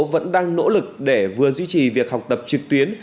vẫn đang nỗ lực để vừa duy trì việc học tập trực tuyến